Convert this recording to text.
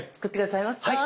はい。